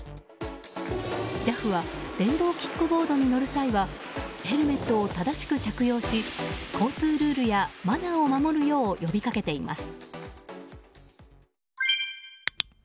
ＪＡＦは電動キックボードに乗る際はヘルメットを正しく着用し交通ルールやマナーを守るよう呼びかけています。